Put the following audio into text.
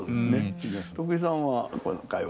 徳井さんは今回は？